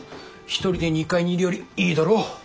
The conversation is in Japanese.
１人で２階にいるよりいいだろ。